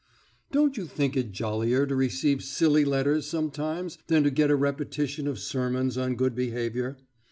Don't you think it jollier to receive silly letters sometimes than to get a repetition of sermons on good behaviour?